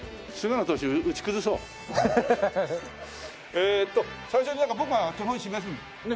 えーっと最初に僕が手本示す。